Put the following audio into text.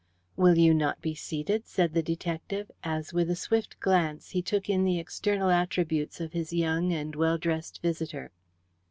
"Will you not be seated?" said the detective, as with a swift glance he took in the external attributes of his young and well dressed visitor.